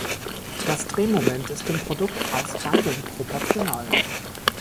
Das Drehmoment ist dem Produkt aus beiden proportional.